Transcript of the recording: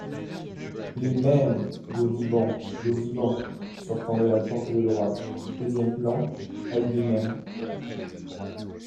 Les Mêmes, Gaudiband Gaudiband , sortant de la porte de droite, deuxième plan ; à lui-même.